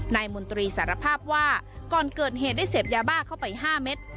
มนตรีสารภาพว่าก่อนเกิดเหตุได้เสพยาบ้าเข้าไป๕เม็ด